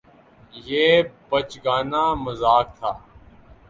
یہ بچگانہ مذاق تھا